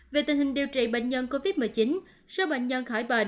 về tình hình điều trị bệnh nhân covid một mươi chín số bệnh nhân khỏi bệnh